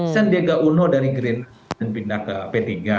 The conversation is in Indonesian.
sendega uno dari gerindra pindah ke p tiga